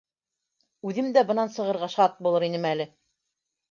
Үҙем дә бынан сығырға шат булыр инем әле!